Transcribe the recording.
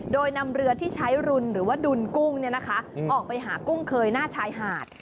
โดยนำเรือที่ใช้รุนหรือว่าดุลกุ้งออกไปหากุ้งเคยหน้าชายหาด